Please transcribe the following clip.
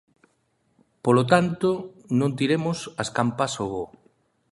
Polo tanto non tiremos as campás ao voo.